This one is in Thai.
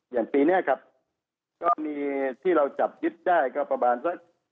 อย่างปีนี้ครับก็มีที่เราจับยึดได้ก็ประมาณสัก